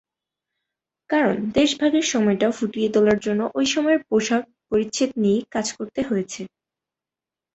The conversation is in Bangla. কারণ দেশভাগের সময়টা ফুটিয়ে তোলার জন্য ঐ সময়ের পোশাক-পরিচ্ছদ নিয়েই কাজ করতে হয়েছে।